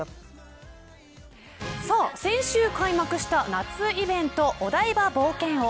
先週開幕した夏イベントお台場冒険王。